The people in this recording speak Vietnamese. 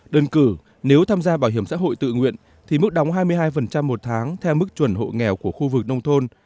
đơn cử nếu tham gia bảo hiểm xã hội tự nguyện thì mức đóng hai mươi hai một tháng theo mức chuẩn hộ nghèo của khu vực nông thôn